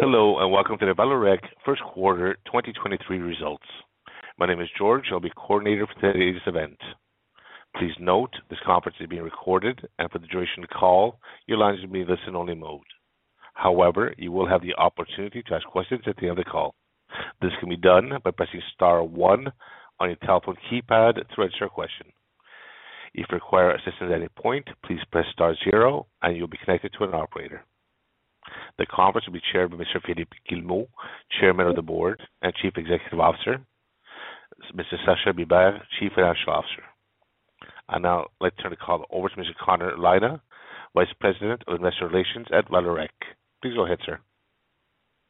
Hello, and welcome to the Vallourec First Quarter 2023 Results. My name is George. I'll be coordinator for today's event. Please note this conference is being recorded, and for the duration of the call, your lines will be in listen-only mode. However, you will have the opportunity to ask questions at the end of the call. This can be done by pressing star one on your telephone keypad to register a question. If you require assistance at any point, please press star zero and you'll be connected to an operator. The conference will be chaired by Mr. Philippe Guillemot, Chairman of the Board and Chief Executive Officer, Mr. Sascha Bibert, Chief Financial Officer. I'll now turn the call over to Mr. Connor Lynagh, Vice President of Investor Relations at Vallourec. Please go ahead, sir.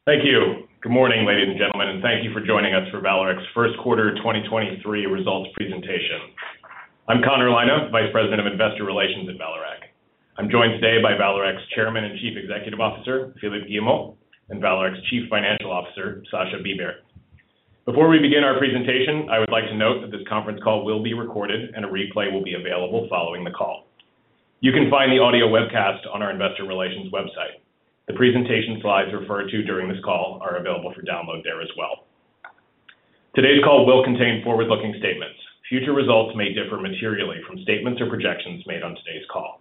Thank you. Good morning, ladies and gentlemen, thank you for joining us for Vallourec's First Quarter 2023 Results Presentation. I'm Connor Lynagh, Vice President of Investor Relations at Vallourec. I'm joined today by Vallourec's Chairman and Chief Executive Officer, Philippe Guillemot, and Vallourec's Chief Financial Officer, Sascha Bibert. Before we begin our presentation, I would like to note that this conference call will be recorded and a replay will be available following the call. You can find the audio webcast on our investor relations website. The presentation slides referred to during this call are available for download there as well. Today's call will contain forward-looking statements. Future results may differ materially from statements or projections made on today's call.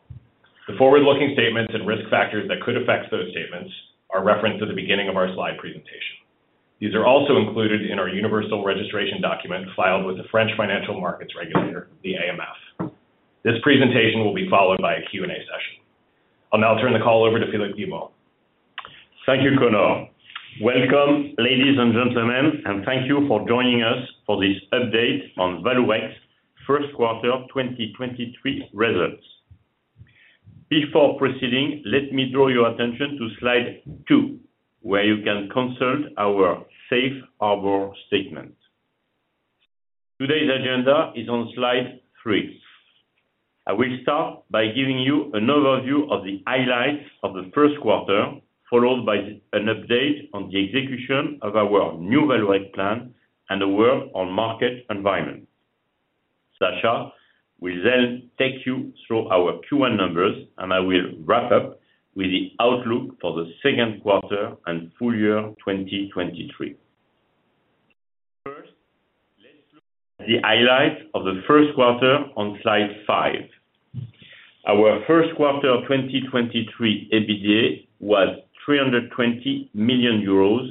The forward-looking statements and risk factors that could affect those statements are referenced at the beginning of our slide presentation. These are also included in our Universal Registration Document filed with the French financial markets regulator, the AMF. This presentation will be followed by a Q&A session. I'll now turn the call over to Philippe Guillemot. Thank you, Connor. Welcome, ladies and gentlemen, thank you for joining us for this update on Vallourec's first quarter 2023 results. Before proceeding, let me draw your attention to slide two, where you can consult our safe harbor statement. Today's agenda is on slide three. I will start by giving you an overview of the highlights of the first quarter, followed by an update on the execution of our New Vallourec plan and the work on market environment. Sascha will take you through our Q1 numbers, I will wrap up with the outlook for the second quarter and full year 2023. Let's look at the highlights of the first quarter on slide five. Our first quarter of 2023 EBITDA was 320 million euros,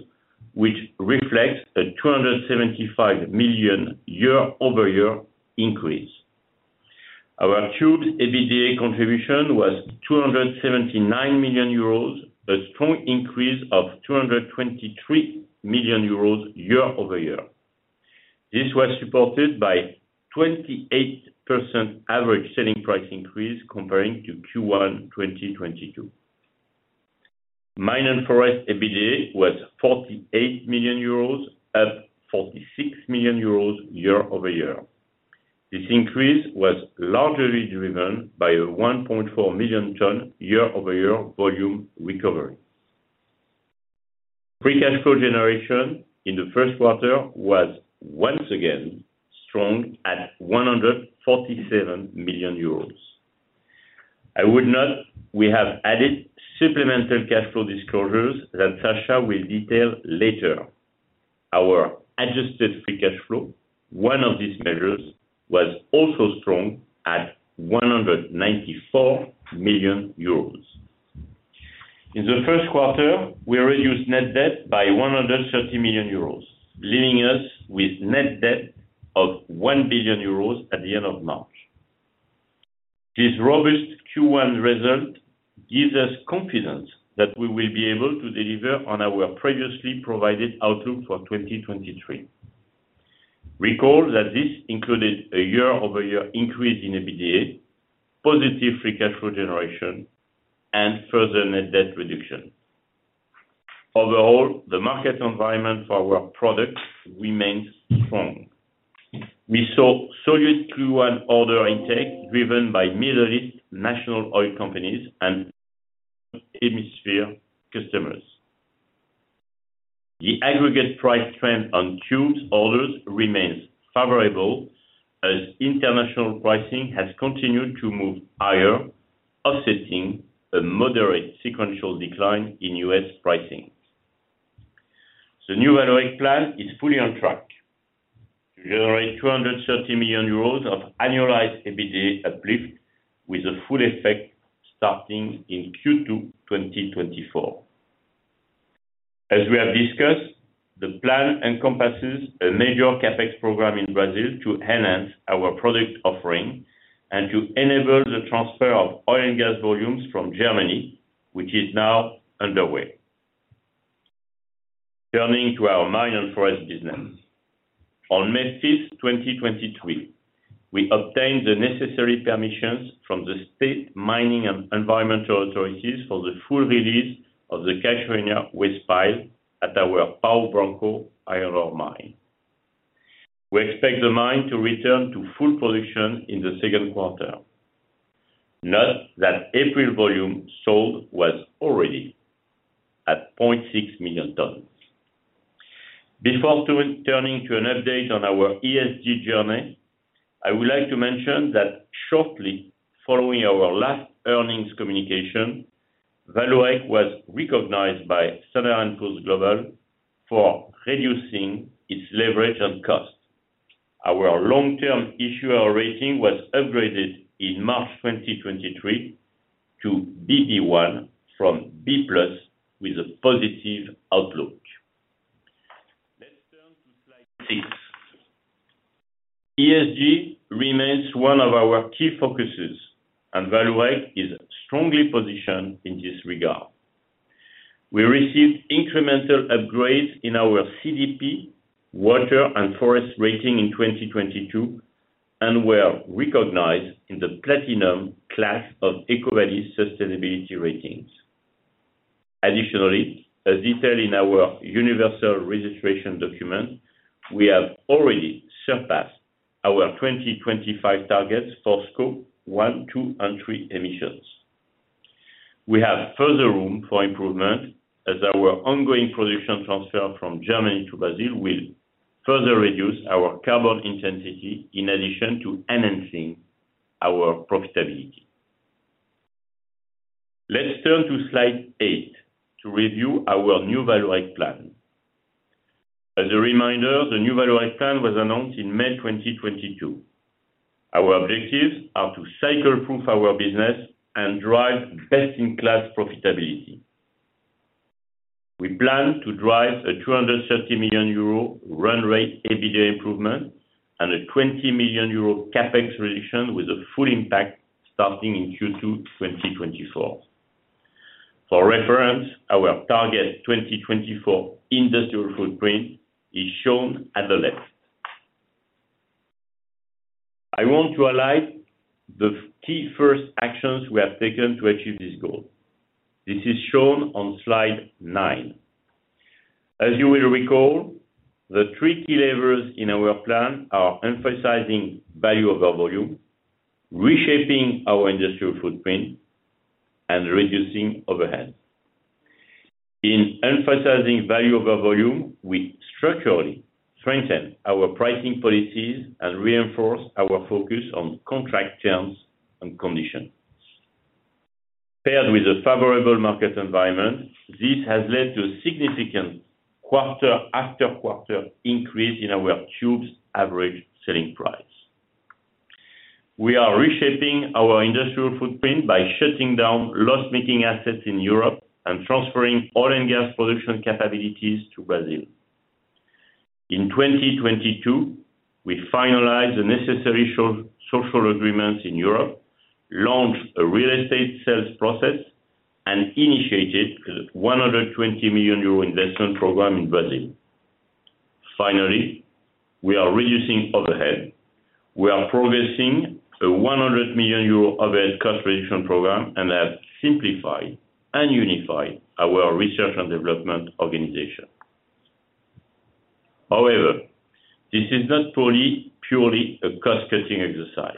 which reflects a 275 million year-over-year increase. Our Tubes EBITDA contribution was 279 million euros, a strong increase of 223 million euros year-over-year. This was supported by 28% Average Selling Price increase comparing to Q1 2022. Mine & Forest EBITDA was 48 million euros, up 46 million euros year-over-year. This increase was largely driven by a 1.4 million ton year-over-year volume recovery. free cash flow generation in the first quarter was once again strong at 147 million euros. I would note we have added supplemental cash flow disclosures that Sascha will detail later. Our adjusted free cash flow, one of these measures, was also strong at 194 million euros. In the first quarter, we reduced Net Debt by 130 million euros, leaving us with Net Debt of 1 billion euros at the end of March. This robust Q1 result gives us confidence that we will be able to deliver on our previously provided outlook for 2023. Recall that this included a year-over-year increase in EBITDA, positive free cash flow generation, and further Net Debt reduction. Overall, the market environment for our products remains strong. We saw solid Q1 order intake driven by Middle East National Oil Companies and hemisphere customers. The aggregate price trend on Tubes orders remains favorable as international pricing has continued to move higher, offsetting a moderate sequential decline in U.S. pricing. The New Vallourec plan is fully on track. To generate 230 million euros of annualized EBITDA uplift with the full effect starting in Q2 2024. As we have discussed, the plan encompasses a major CapEx program in Brazil to enhance our product offering and to enable the transfer of oil and gas volumes from Germany, which is now underway. Turning to our Mine & Forest business. On May 5th, 2023, we obtained the necessary permissions from the state mining and environmental authorities for the full release of the Cachoeirinha waste pile at our Pau Branco iron ore mine. We expect the mine to return to full production in the second quarter. Note that April volume sold was already at 0.6 million tons. Turning to an update on our ESG journey, I would like to mention that shortly following our last earnings communication, Vallourec was recognized by Standard and Poor's Global for reducing its leverage and cost. Our long-term issuer rating was upgraded in March 2023 to BB- from B+ with a positive outlook. Let's turn to slide six. ESG remains one of our key focuses, and Vallourec is strongly positioned in this regard. We received incremental upgrades in our CDP Water and Forest rating in 2022, and were recognized in the Platinum class of EcoVadis sustainability ratings. Additionally, as detailed in our Universal Registration Document, we have already surpassed our 2025 targets for Scope 1, 2, and 3 emissions. We have further room for improvement as our ongoing production transfer from Germany to Brazil will further reduce our carbon intensity in addition to enhancing our profitability. Let's turn to slide eight to review our New Vallourec plan. As a reminder, the New Vallourec plan was announced in May 2022. Our objectives are to cycle-proof our business and drive best-in-class profitability. We plan to drive a 230 million euro run rate EBITDA improvement and a 20 million euro CapEx reduction with a full impact starting in Q2 2024. For reference, our target 2024 industrial footprint is shown at the left. I want to highlight the key first actions we have taken to achieve this goal. This is shown on slide nine. As you will recall, the three key levers in our plan are emphasizing value over volume, reshaping our industrial footprint, and reducing overheads. In emphasizing value over volume, we structurally strengthen our pricing policies and reinforce our focus on contract terms and conditions. Paired with a favorable market environment, this has led to significant quarter after quarter increase in our tubes Average Selling Price. We are reshaping our industrial footprint by shutting down loss-making assets in Europe and transferring oil and gas production capabilities to Brazil. In 2022, we finalized the necessary social agreements in Europe, launched a real estate sales process, and initiated a 120 million euro investment program in Brazil. We are reducing overhead. We are progressing a 100 million euro overhead cost reduction program, and have simplified and unified our research and development organization. This is not purely a cost-cutting exercise.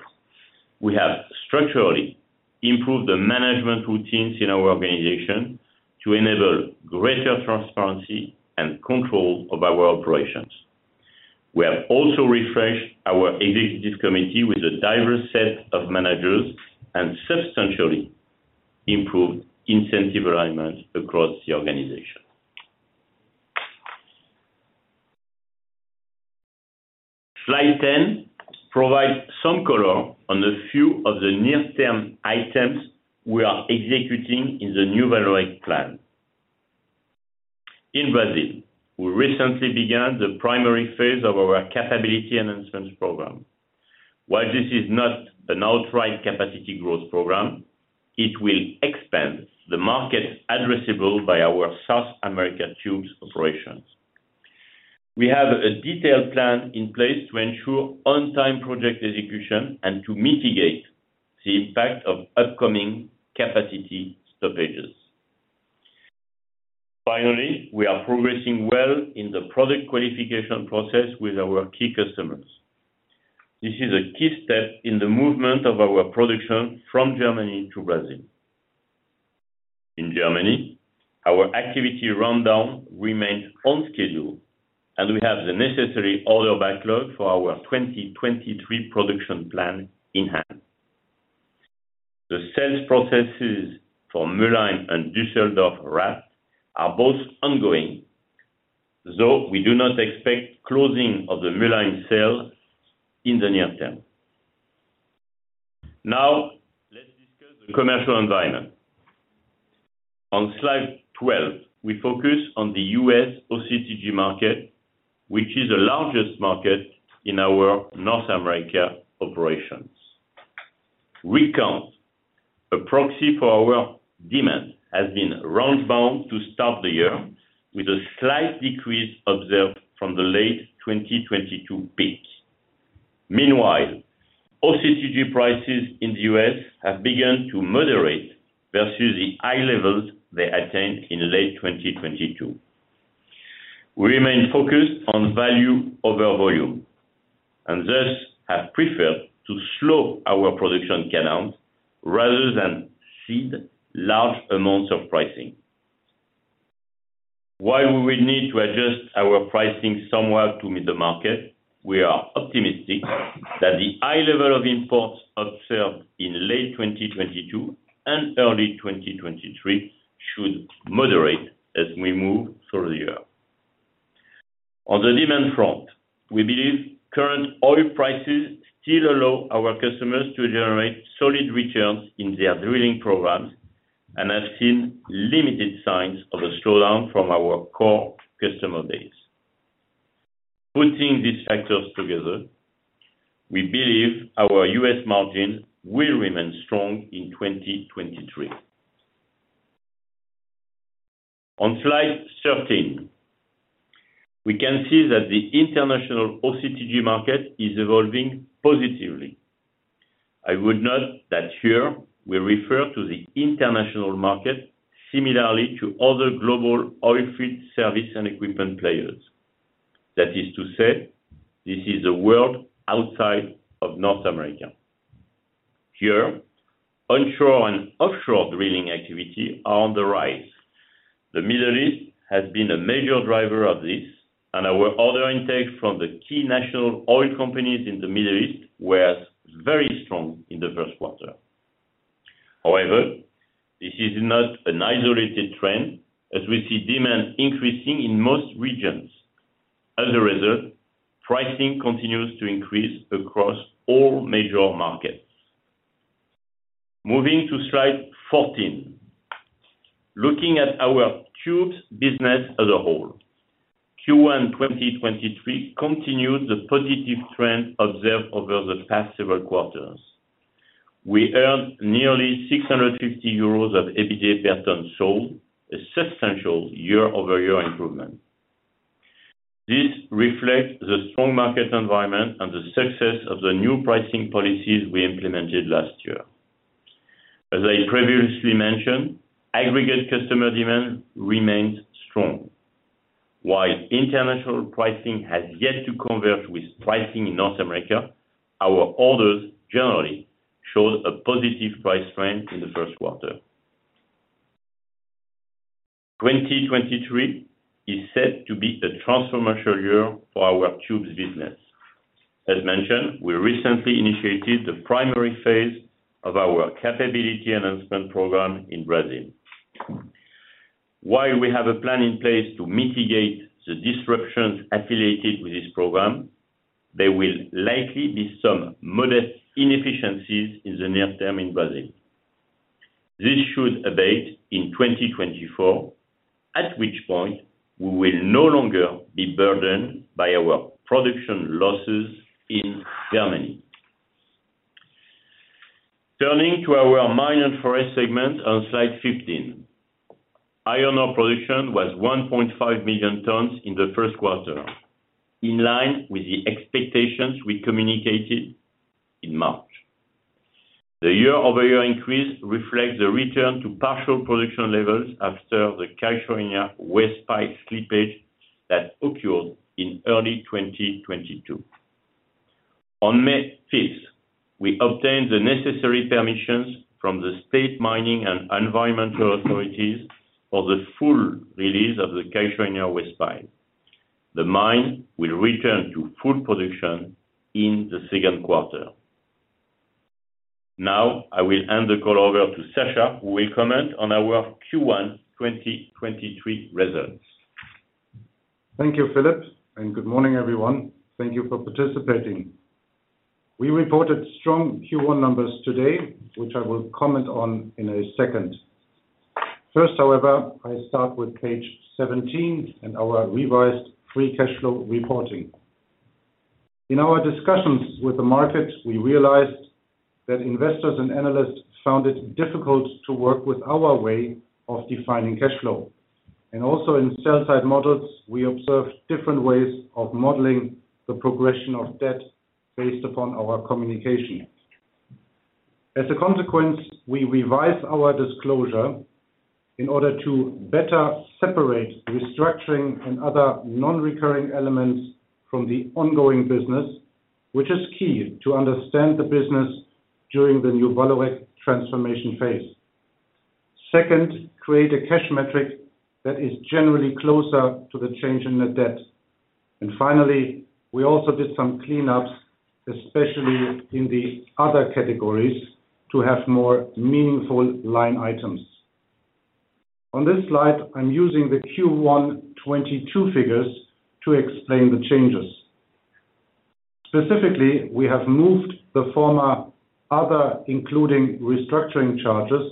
We have structurally improved the management routines in our organization to enable greater transparency and control of our operations. We have also refreshed our executive committee with a diverse set of managers and substantially improved incentive alignment across the organization. Slide 10 provides some color on a few of the near-term items we are executing in the new Vallourec plan. In Brazil, we recently began the primary phase of our capability enhancements program. While this is not an outright capacity growth program, it will expand the market addressable by our South America Tubes operations. We have a detailed plan in place to ensure on-time project execution and to mitigate the impact of upcoming capacity stoppages. Finally, we are progressing well in the product qualification process with our key customers. This is a key step in the movement of our production from Germany to Brazil. In Germany, our activity rundown remains on schedule, and we have the necessary order backlog for our 2023 production plan in hand. The sales processes for Mülheim and Düsseldorf-Rath are both ongoing. Though we do not expect closing of the Mülheim sale in the near term. Now, let's discuss the commercial environment. On slide 12, we focus on the U.S. OCTG market, which is the largest market in our North America operations. Rig count, a proxy for our demand, has been range bound to start the year with a slight decrease observed from the late 2022 peak. Meanwhile, OCTG prices in the U.S. have begun to moderate versus the high levels they attained in late 2022. We remain focused on value over volume. Thus have preferred to slow our production cadence rather than cede large amounts of pricing. While we will need to adjust our pricing somewhat to meet the market, we are optimistic that the high level of imports observed in late 2022 and early 2023 should moderate as we move through the year. On the demand front, we believe current oil prices still allow our customers to generate solid returns in their drilling programs and have seen limited signs of a slowdown from our core customer base. Putting these factors together, we believe our U.S. margin will remain strong in 2023. On slide 13, we can see that the international OCTG market is evolving positively. I would note that here we refer to the international market similarly to other global oil field service and equipment players. That is to say, this is the world outside of North America. Here, onshore and offshore drilling activity are on the rise. The Middle East has been a major driver of this, and our order intake from the key National Oil Companies in the Middle East was very strong in the first quarter. However, this is not an isolated trend as we see demand increasing in most regions. As a result, pricing continues to increase across all major markets. Moving to slide 14. Looking at our Tubes business as a whole, Q1 2023 continued the positive trend observed over the past several quarters. We earned nearly 650 euros of EBITDA per ton sold, a substantial year-over-year improvement. This reflects the strong market environment and the success of the new pricing policies we implemented last year. As I previously mentioned, aggregate customer demand remains strong. While international pricing has yet to converge with pricing in North America, our orders generally showed a positive price trend in the first quarter. 2023 is set to be a transformational year for our Tubes business. As mentioned, we recently initiated the primary phase of our capability enhancement program in Brazil. While we have a plan in place to mitigate the disruptions affiliated with this program, there will likely be some modest inefficiencies in the near term in Brazil. This should abate in 2024, at which point we will no longer be burdened by our production losses in Germany. Turning to our Mine & Forest segment on slide 15. Iron ore production was 1.5 million tons in the first quarter, in line with the expectations we communicated in March. The year-over-year increase reflects the return to partial production levels after the Cachoeirinha waste pile slippage that occurred in early 2022. On May 5th, we obtained the necessary permissions from the state mining and environmental authorities for the full release of the Cachoeirinha waste pile. The mine will return to full production in the second quarter. I will hand the call over to Sascha, who will comment on our Q1 2023 results. Thank you, Philippe, and good morning, everyone. Thank you for participating. We reported strong Q1 numbers today, which I will comment on in a second. First, however, I start with page 17 and our revised free cash flow reporting. In our discussions with the market, we realized that investors and analysts found it difficult to work with our way of defining cash flow. Also in sell side models, we observed different ways of modeling the progression of debt based upon our communication. As a consequence, we revised our disclosure in order to better separate restructuring and other non-recurring elements from the ongoing business, which is key to understand the business during the New Vallourec transformation phase. Second, create a cash metric that is generally closer to the change in net debt. Finally, we also did some cleanups, especially in the other categories, to have more meaningful line items. On this slide, I'm using the Q1 2022 figures to explain the changes. Specifically, we have moved the former other including restructuring charges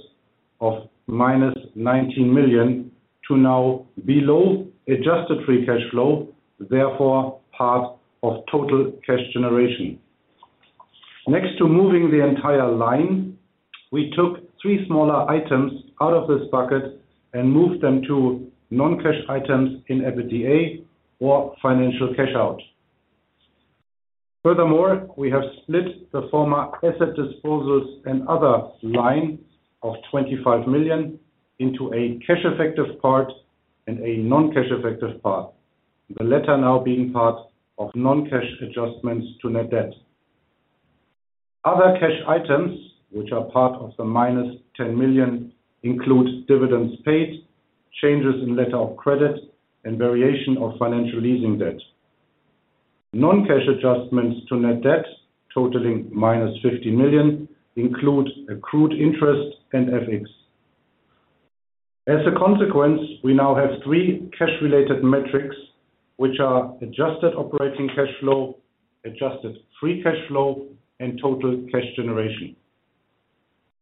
of -19 million to now below adjusted free cash flow, therefore part of Total Cash Generation. Next to moving the entire line, we took three smaller items out of this bucket and moved them to non-cash items in EBITDA or financial cash out. We have split the former asset disposals and other line of 25 million into a cash effective part and a non-cash effective part. The latter now being part of non-cash adjustments to Net Debt. Other cash items, which are part of the -10 million, include dividends paid, changes in letter of credit, and variation of financial leasing debt. Non-cash adjustments to Net Debt totaling -50 million include accrued interest and FX. As a consequence, we now have three cash related metrics which are Adjusted Operating Cash Flow, adjusted free cash flow, and Total Cash Generation.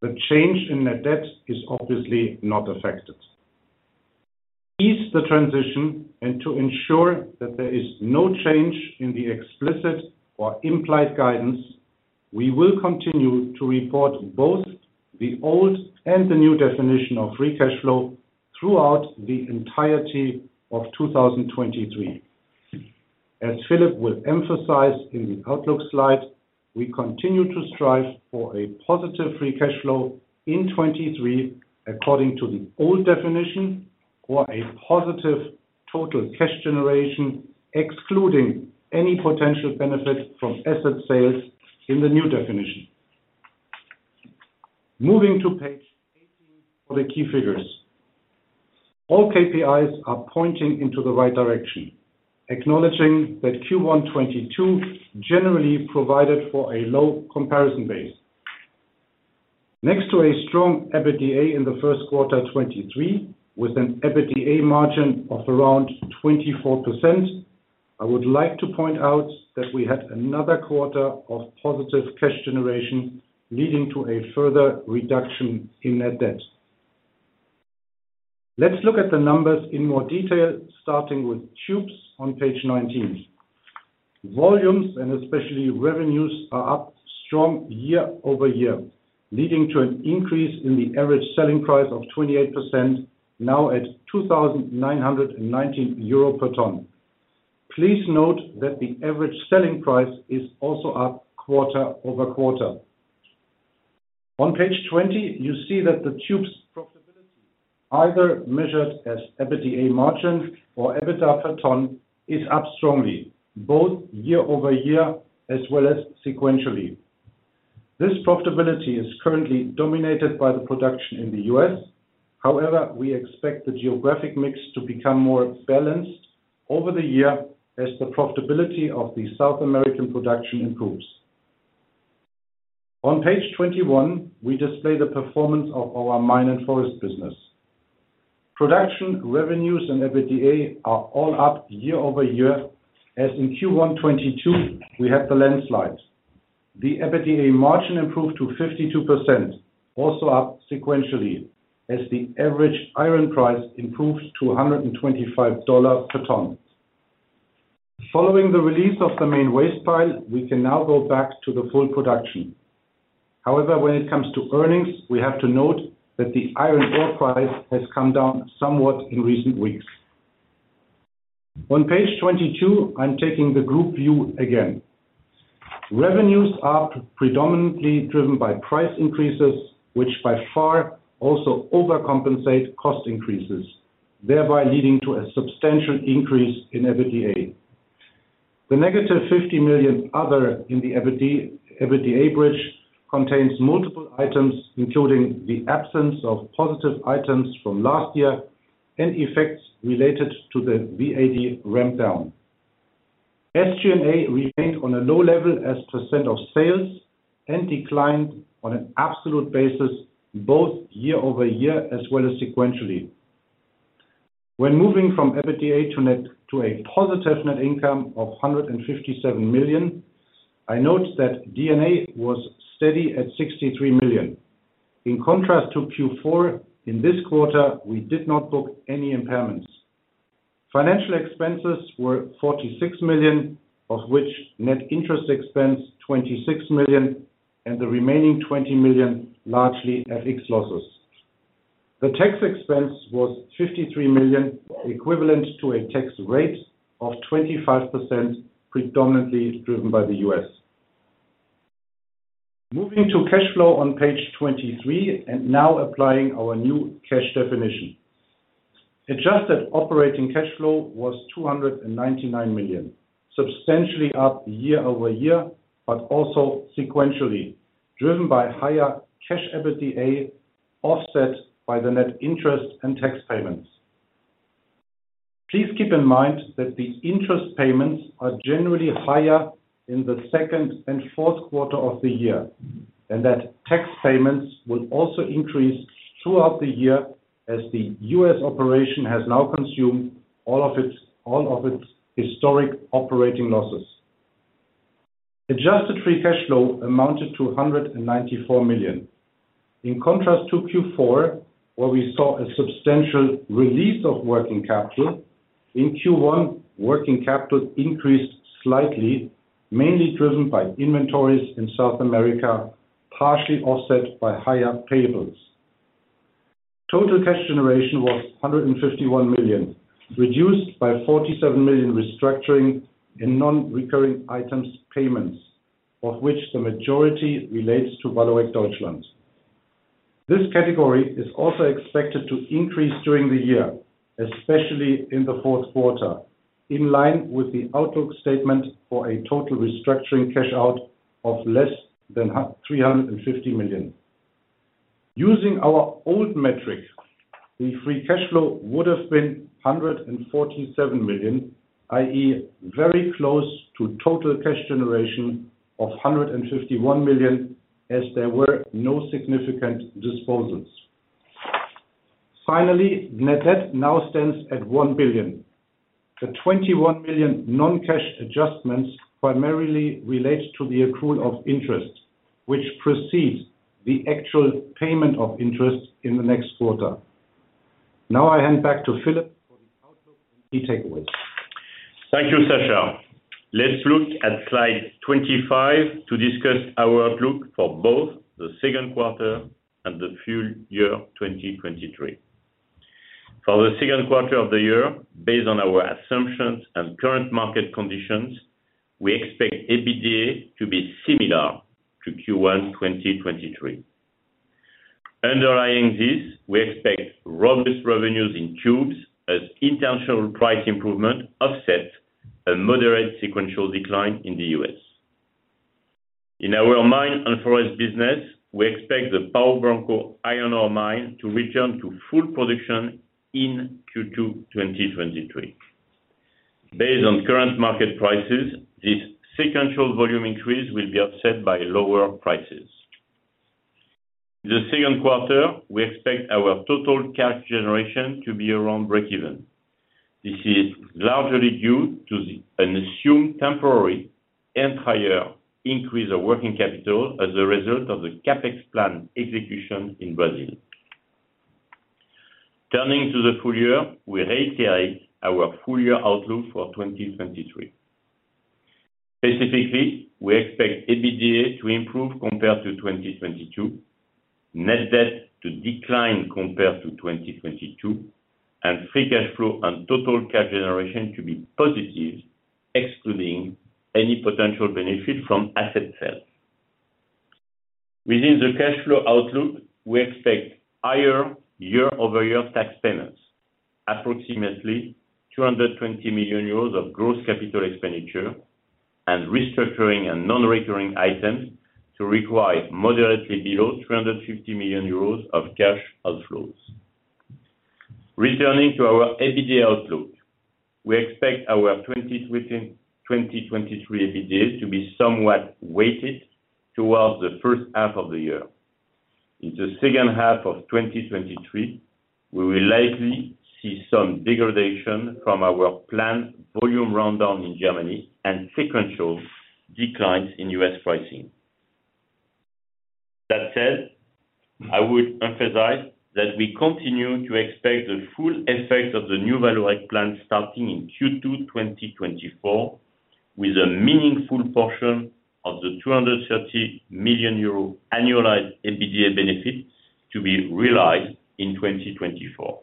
The change in Net Debt is obviously not affected. To ease the transition and to ensure that there is no change in the explicit or implied guidance, we will continue to report both the old and the new definition of free cash flow throughout the entirety of 2023. As Philippe will emphasize in the outlook slide, we continue to strive for a positive free cash flow in 2023 according to the old definition, or a positive Total Cash Generation, excluding any potential benefit from asset sales in the new definition. Moving to page 18 for the key figures. All KPIs are pointing into the right direction, acknowledging that Q1 2022 generally provided for a low comparison base. Next to a strong EBITDA in the first quarter 2023 with an EBITDA margin of around 24%, I would like to point out that we had another quarter of positive cash generation leading to a further reduction in Net Debt. Let's look at the numbers in more detail, starting with Tubes on page 19. Volumes and especially revenues are up strong year-over-year, leading to an increase in the Average Selling Price of 28% now at 2,919 euro per ton. Please note that the Average Selling Price is also up quarter-over-quarter. On page 20, you see that the Tubes profitability, either measured as EBITDA margin or EBITDA per ton, is up strongly, both year-over-year as well as sequentially. This profitability is currently dominated by the production in the U.S.. We expect the geographic mix to become more balanced over the year as the profitability of the South American production improves. On page 21, we display the performance of our Mine & Forest business. Production revenues and EBITDA are all up year-over-year as in Q1 2022, we had the landslides. The EBITDA margin improved to 52%, also up sequentially as the average iron price improved to $125 per ton. Following the release of the main waste pile, we can now go back to the full production. When it comes to earnings, we have to note that the iron ore price has come down somewhat in recent weeks. On page 22, I'm taking the group view again. Revenues are predominantly driven by price increases, which by far also overcompensate cost increases, thereby leading to a substantial increase in EBITDA. The -50 million other in the EBITDA bridge contains multiple items, including the absence of positive items from last year and effects related to the VAD ramp down. SG&A remained on a low level as percent of sales and declined on an absolute basis, both year-over-year as well as sequentially. When moving from EBITDA to net to a positive net income of 157 million, I note that D&A was steady at 63 million. In contrast to Q4, in this quarter, we did not book any impairments. Financial expenses were 46 million, of which net interest expense 26 million and the remaining 20 million largely FX losses. The tax expense was 53 million, equivalent to a tax rate of 25%, predominantly driven by the U.S.. Moving to cash flow on page 23 and now applying our new cash definition. Adjusted Operating Cash Flow was 299 million, substantially up year-over-year. Also sequentially, driven by higher cash EBITDA, offset by the net interest and tax payments. Please keep in mind that the interest payments are generally higher in the second and fourth quarter of the year, and that tax payments will also increase throughout the year as the U.S. operation has now consumed all of its historic operating losses. adjusted free cash flow amounted to 194 million. In contrast to Q4, where we saw a substantial release of working capital, in Q1, working capital increased slightly, mainly driven by inventories in South America, partially offset by higher payables. Total Cash Generation was 151 million, reduced by 47 million restructuring and non-recurring items payments, of which the majority relates to Vallourec Deutschland. This category is also expected to increase during the year, especially in the fourth quarter, in line with the outlook statement for a total restructuring cash out of less than 350 million. Using our old metric, the free cash flow would have been 147 million, i.e., very close to Total Cash Generation of 151 million, as there were no significant disposals. Net Debt now stands at 1 billion. The 21 million non-cash adjustments primarily relates to the accrual of interest, which precedes the actual payment of interest in the next quarter. I hand back to Philippe for the outlook and key takeaways. Thank you, Sascha. Let's look at slide 25 to discuss our outlook for both the second quarter and the full year 2023. For the second quarter of the year, based on our assumptions and current market conditions, we expect EBITDA to be similar to Q1 2023. Underlying this, we expect robust revenues in Tubes as international price improvement offset a moderate sequential decline in the U.S. In our Mine & Forest business, we expect the Pau Branco iron ore mine to return to full production in Q2 2023. Based on current market prices, this sequential volume increase will be offset by lower prices. The second quarter, we expect our Total Cash Generation to be around breakeven. This is largely due to an assumed temporary and higher increase of Working Capital as a result of the CapEx plan execution in Brazil. Turning to the full year, we reiterate our full year outlook for 2023. Specifically, we expect EBITDA to improve compared to 2022, Net Debt to decline compared to 2022, and free cash flow and Total Cash Generation to be positive, excluding any potential benefit from asset sales. Within the cash flow outlook, we expect higher year-over-year tax payments, approximately 220 million euros of gross capital expenditure and restructuring and non-recurring items to require moderately below 250 million euros of cash outflows. Returning to our EBITDA outlook, we expect our 2023 EBITDA to be somewhat weighted towards the first half of the year. In the second half of 2023, we will likely see some degradation from our planned volume rundown in Germany and sequential declines in U.S. pricing. That said, I would emphasize that we continue to expect the full effect of the New Vallourec plan starting in Q2 2024, with a meaningful portion of the 230 million euro annualized EBITDA benefits to be realized in 2024.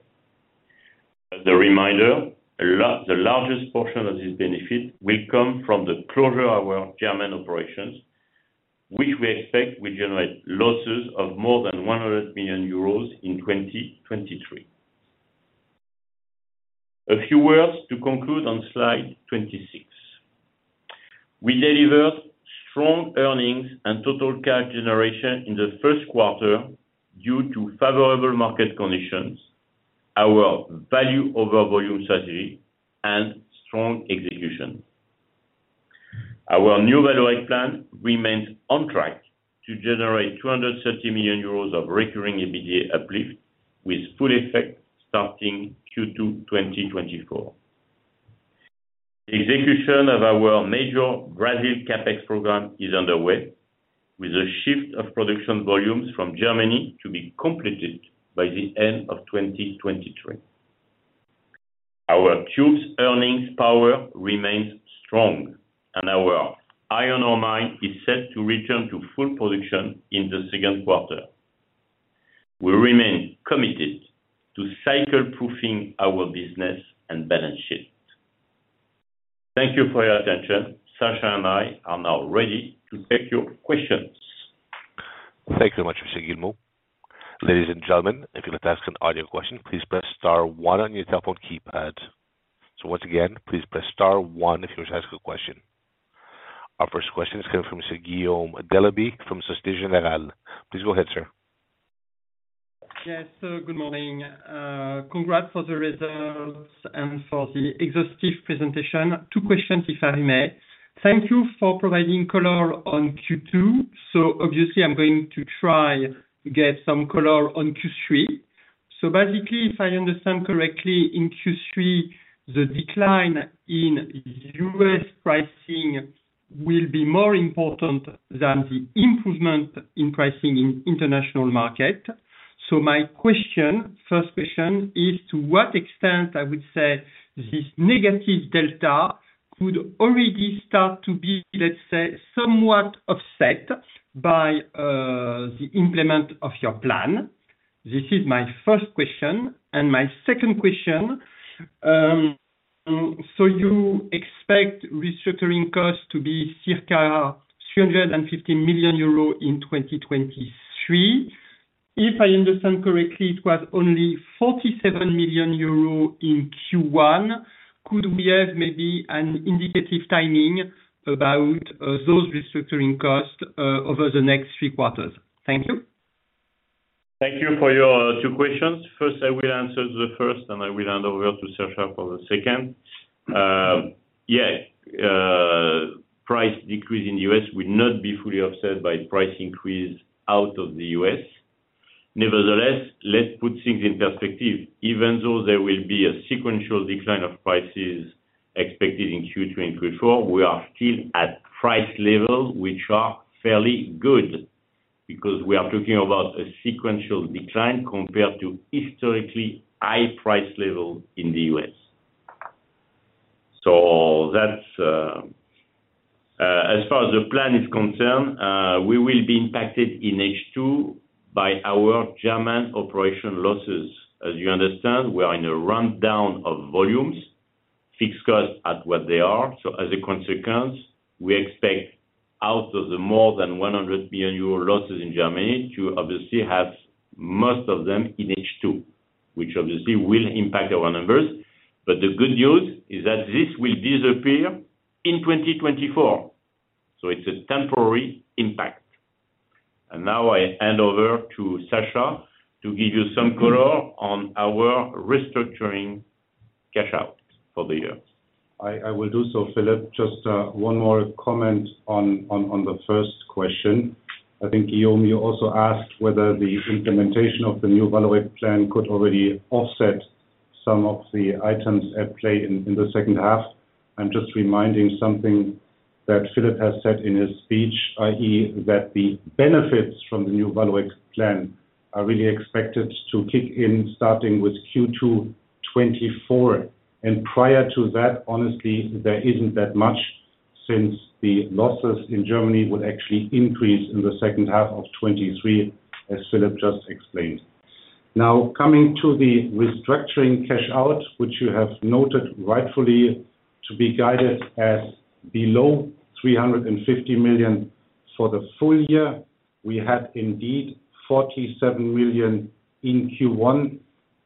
As a reminder, the largest portion of this benefit will come from the closure of our German operations, which we expect will generate losses of more than 100 million euros in 2023. A few words to conclude on slide 26. We delivered strong earnings and Total Cash Generation in the first quarter due to favorable market conditions, our value over volume strategy, and strong execution. Our New Vallourec plan remains on track to generate 230 million euros of recurring EBITDA uplift with full effect starting Q2 2024. The execution of our major Brazil CapEx program is underway, with a shift of production volumes from Germany to be completed by the end of 2023. Our tubes earnings power remains strong, and our iron ore mine is set to return to full production in the second quarter. We remain committed to cycle-proofing our business and balance sheet. Thank you for your attention. Sascha and I are now ready to take your questions. Thank you very much, Monsieur Guillemot. Ladies and gentlemen, if you'd like to ask an audio question, please press star one on your telephone keypad. Once again, please press star one if you wish to ask a question. Our first question is coming from Monsieur Guillaume Delaby from Société Générale. Please go ahead, sir. Yes, good morning. Congrats for the results and for the exhaustive presentation. Two questions, if I may. Thank you for providing color on Q2. Obviously I'm going to try to get some color on Q3. Basically, if I understand correctly, in Q3, the decline in U.S. pricing will be more important than the improvement in pricing in international market. My question, first question is to what extent, I would say, this negative delta could already start to be, let's say, somewhat offset by the implement of your plan? This is my first question. My second question, you expect restructuring costs to be circa 350 million euro in 2023. If I understand correctly, it was only 47 million euros in Q1. Could we have maybe an indicative timing about those restructuring costs over the next three quarters? Thank you. Thank you for your two questions. First, I will answer the first, and I will hand over to Sascha for the second. Yeah, price decrease in the U.S. will not be fully offset by price increase out of the U.S. Nevertheless, let's put things in perspective. Even though there will be a sequential decline of prices expected in Q2 in 2024, we are still at price levels which are fairly good because we are talking about a sequential decline compared to historically high price level in the U.S. That's as far as the plan is concerned. We will be impacted in H2 by our German operation losses. As you understand, we are in a rundown of volumes. Fixed costs at what they are. As a consequence, we expect out of the more than 100 million euro losses in Germany to obviously have most of them in H2, which obviously will impact our numbers. The good news is that this will disappear in 2024, so it's a temporary impact. Now I hand over to Sascha to give you some color on our restructuring cash out for the year. I will do so, Philippe. Just one more comment on the first question. I think, Guillaume, you also asked whether the implementation of the New Vallourec plan could already offset some of the items at play in the second half. I'm just reminding something that Philippe has said in his speech, i.e., that the benefits from the New Vallourec plan are really expected to kick in starting with Q2 2024. Prior to that, honestly, there isn't that much since the losses in Germany will actually increase in the second half of 2023, as Philippe just explained. Now, coming to the restructuring cash out, which you have noted rightfully to be guided as below 350 million for the full year. We had indeed 47 million in Q1.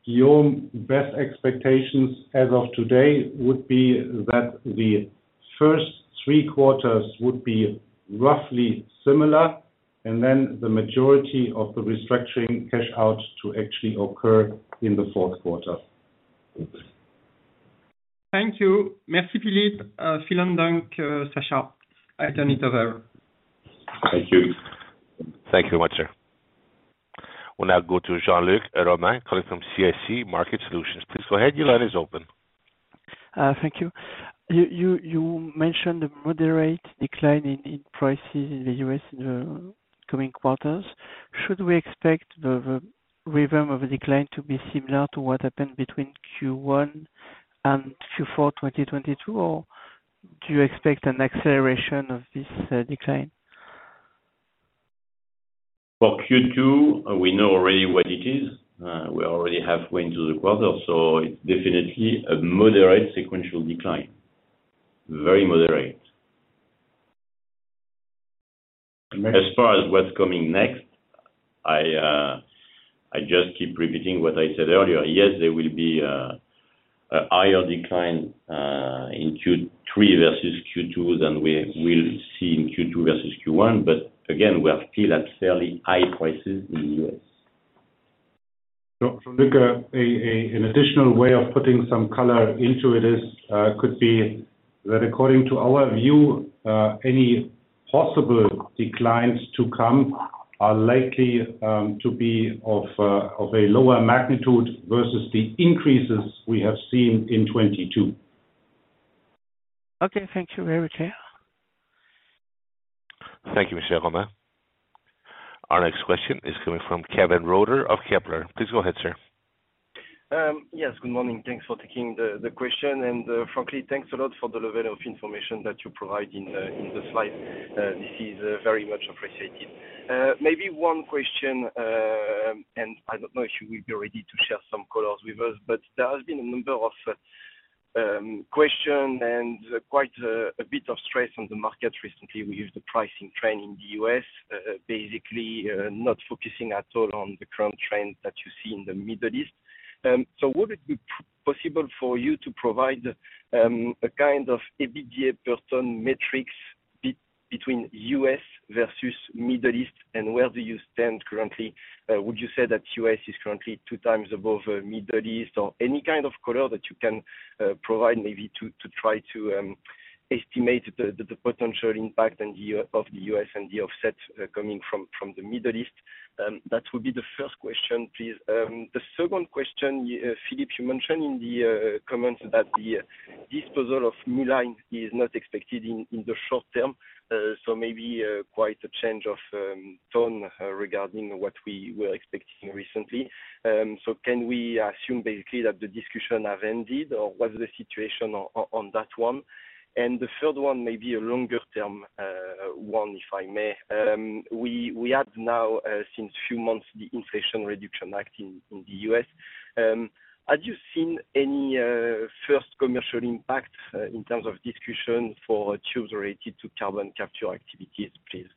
Guillaume, best expectations as of today would be that the first three quarters would be roughly similar, and then the majority of the restructuring cash out to actually occur in the fourth quarter. Over. Thank you. Merci, Philippe. vielen dank, Sascha. I turn it over. Thank you. Thank you very much, sir. We'll now go to Jean-Luc Romain calling from CIC Market Solutions. Please go ahead. Your line is open. Thank you. You mentioned the moderate decline in prices in the U.S. in the coming quarters. Should we expect the rhythm of the decline to be similar to what happened between Q1 and Q4 2022? Or do you expect an acceleration of this decline? For Q2, we know already what it is. We're already halfway into the quarter, it's definitely a moderate sequential decline, very moderate. As far as what's coming next, I just keep repeating what I said earlier. Yes, there will be a higher decline in Q3 versus Q2 than we will see in Q2 versus Q1. Again, we are still at fairly high prices in the U.S. Jean-Luc, an additional way of putting some color into it is, could be that according to our view, any possible declines to come are likely to be of a lower magnitude versus the increases we have seen in 2022. Okay. Thank you very much. Thank you, Mr. Romain. Our next question is coming from Kevin Roger of Kepler. Please go ahead, sir. Yes, good morning. Thanks for taking the question. Frankly, thanks a lot for the level of information that you provide in the slides. This is very much appreciated. Maybe one question, and I don't know if you will be ready to share some colors with us, but there has been a number of question and quite a bit of stress on the market recently with the pricing trend in the U.S., basically not focusing at all on the current trend that you see in the Middle East. Would it be possible for you to provide a kind of EBITDA per ton metrics between U.S. versus Middle East and where do you stand currently? Would you say that U.S. is currently two times above Middle East? Any kind of color that you can provide maybe to try to estimate the potential impact and the of the U.S. and the offset coming from the Middle East? That would be the first question, please. The second question, Philippe, you mentioned in the comments that the disposal of Mülheim is not expected in the short term. Maybe quite a change of tone regarding what we were expecting recently. Can we assume basically that the discussion have ended, or what's the situation on that one? The third one may be a longer term one, if I may. We have now since few months the Inflation Reduction Act in the U.S.. Have you seen any first commercial impact in terms of discussion for tubes related to carbon capture activities, please?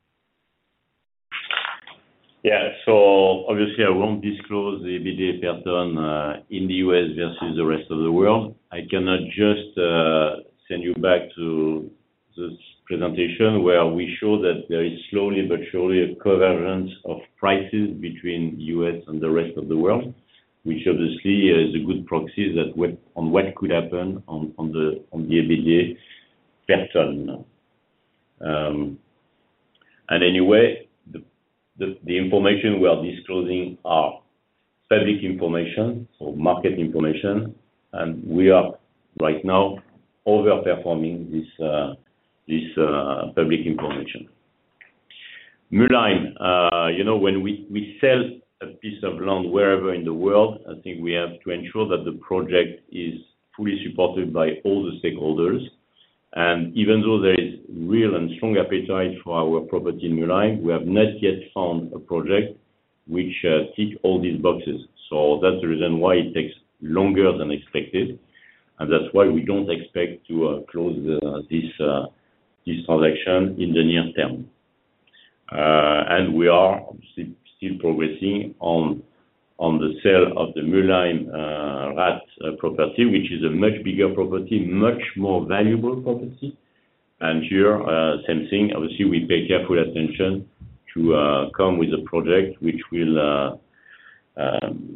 Yeah. Obviously, I won't disclose the EBITDA per ton in the U.S. versus the rest of the world. I can send you back to this presentation where we show that there is slowly but surely a convergence of prices between U.S. and the rest of the world, which obviously is a good proxy on what could happen on the EBITDA per ton. Anyway, the information we are disclosing are public information, so market information, and we are right now over-performing this public information. Mülheim, you know, when we sell a piece of land wherever in the world, I think we have to ensure that the project is fully supported by all the stakeholders. Even though there is real and strong appetite for our property in Mülheim, we have not yet found a project which tick all these boxes. That's the reason why it takes longer than expected, and that's why we don't expect to close this transaction in the near term. We are obviously still progressing on the sale of the Mülheim Rath property, which is a much bigger property, much more valuable property. Here, same thing, obviously, we pay careful attention to come with a project which will,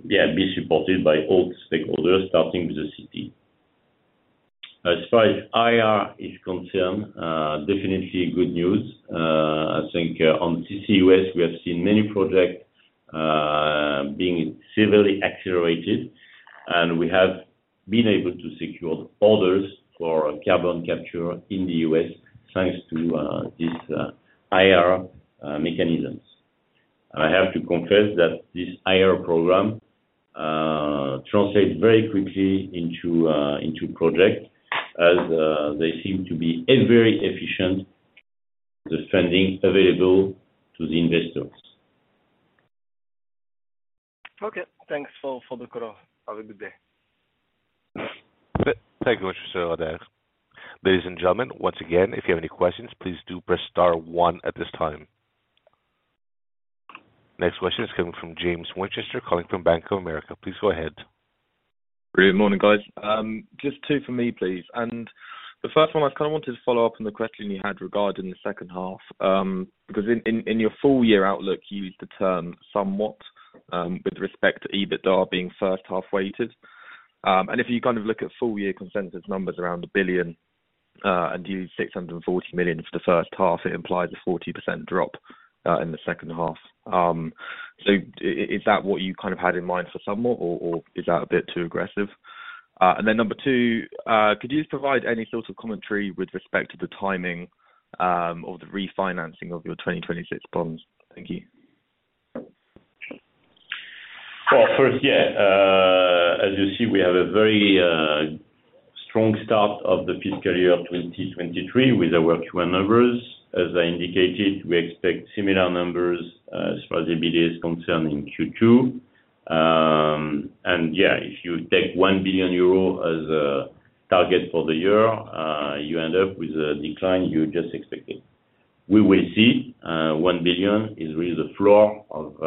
yeah, be supported by all stakeholders, starting with the city. As far as IR is concerned, definitely good news. I think on CCUS we have seen many projects being severely accelerated, and we have been able to secure others for Carbon Capture in the U.S., thanks to these IR mechanisms. I have to confess that this IR program translates very quickly into into project, as they seem to be a very efficient, the funding available to the investors. Okay. Thanks for the color. Have a good day. Thank you, Monsieur Roger. Ladies and gentlemen, once again, if you have any questions, please do press star one at this time. Next question is coming from James Winchester calling from Bank of America. Please go ahead. Good morning, guys. Just two for me, please. The first one, I kind of wanted to follow up on the question you had regarding the second half, because in your full year outlook, you used the term somewhat with respect to EBITDA being first half weighted. If you kind of look at full year consensus numbers around 1 billion, and use 640 million for the first half, it implies a 40% drop in the second half. Is that what you kind of had in mind for somewhat or is that a bit too aggressive? Number two, could you just provide any sort of commentary with respect to the timing of the refinancing of your 2026 bonds? Thank you. Well, first, yeah. As you see, we have a very strong start of the fiscal year 2023 with our Q1 numbers. As I indicated, we expect similar numbers as far as EBITDA is concerned in Q2. Yeah, if you take 1 billion euro as a target for the year, you end up with a decline you just expected. We will see, 1 billion is really the floor of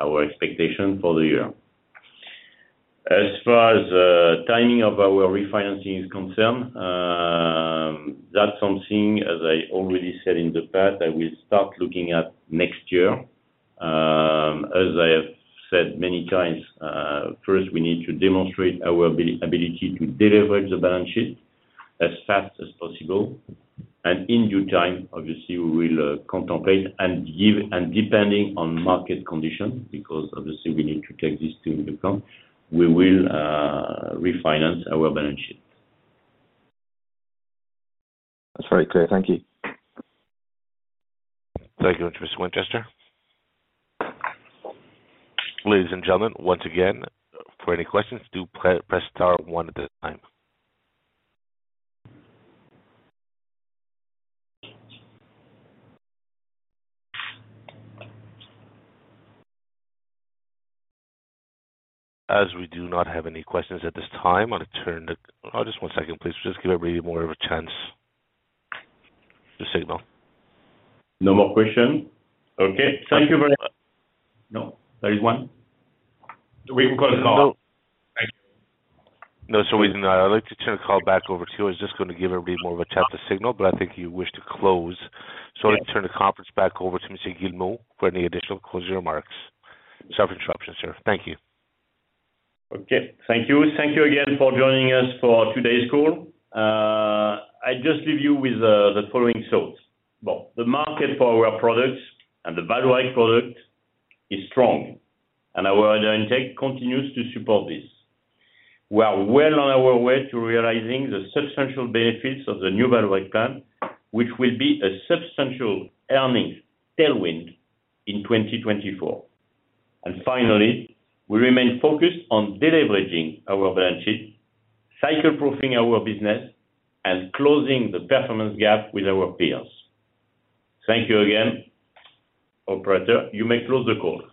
our expectation for the year. As far as timing of our refinancing is concerned, that's something, as I already said in the past, I will start looking at next year. As I have said many times, first we need to demonstrate our ability to deleverage the balance sheet as fast as possible. In due time, obviously we will contemplate and give, depending on market condition, because obviously we need to take this into account, we will refinance our balance sheet. That's very clear. Thank you. Thank you, Mr. Winchester. Ladies and gentlemen, once again, for any questions, do pre-press star one at this time. As we do not have any questions at this time. Oh, just one second, please. Just give everybody more of a chance to signal. No more question? Okay. Thank you very much. No, there is one? We can close the call. Thank you. No. I'd like to turn the call back over to you. I was just gonna give everybody more of a chance to signal, but I think you wish to close. Let me turn the conference back over to Monsieur Guillemot for any additional closing remarks. Sorry for the interruption, sir. Thank you. Okay. Thank you. Thank you again for joining us for today's call. I just leave you with the following thoughts. Well, the market for our products and the value-added product is strong, and our order intake continues to support this. We are well on our way to realizing the substantial benefits of the New Vallourec plan, which will be a substantial earnings tailwind in 2024. Finally, we remain focused on deleveraging our balance sheet, cycle-proofing our business, and closing the performance gap with our peers. Thank you again. Operator, you may close the call.